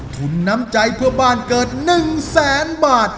ทุนน้ำใจเพื่อบ้านเกิด๑แสนบาท